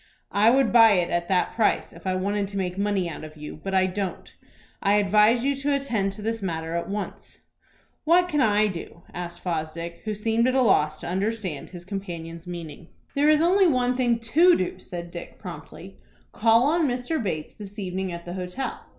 "I would buy it at that price if I wanted to make money out of you; but I don't. I advise you to attend to this matter at once." "What can I do?" asked Fosdick, who seemed at a loss to understand his companion's meaning. "There is only one thing to do," said Dick, promptly. "Call on Mr. Bates this evening at the hotel.